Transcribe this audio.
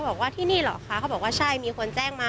บอกว่าที่นี่เหรอคะเขาบอกว่าใช่มีคนแจ้งมา